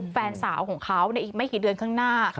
แฟนสาวของเขาในอีกไม่กี่เดือนข้างหน้า